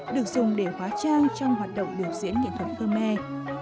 được dùng để hóa trang trong hoạt động biểu diễn nghệ thuật khmer